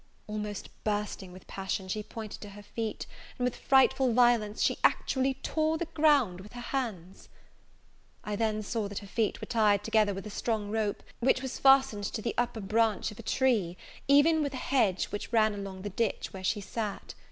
Almost bursting with passion, she pointed to her feet, and with frightful violence she actually tore the ground with her hands. I then saw that her feet were tied together with a strong rope, which was fastened to the upper branch of a tree, even with a hedge which ran along the ditch where she sat.